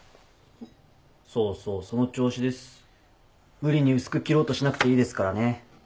無理に薄く切ろうとしなくていいですからね。